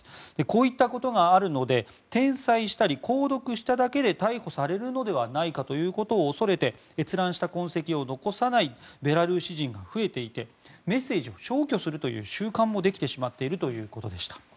こういったことがあるので転載したり購読しただけで逮捕されるのではないかということを恐れて閲覧した痕跡を残さないベラルーシ人が増えていてメッセージを消去するという習慣もできてしまっているということでした。